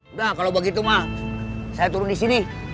udah kalau begitu mah saya turun disini